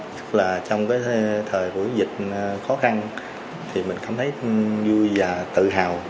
tức là trong cái thời của dịch khó khăn thì mình cảm thấy vui và tự hào